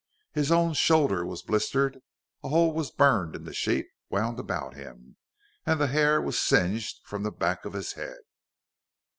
His own shoulder was blistered, a hole was burned in the sheet wound about him, and the hair was singed from the back of his head.